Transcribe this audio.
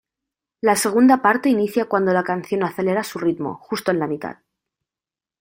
La segunda parte inicia cuando la canción acelera su ritmo, justo en la mitad.